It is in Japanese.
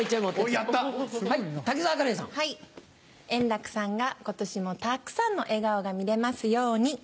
円楽さんが今年もたくさんの笑顔が見れますように。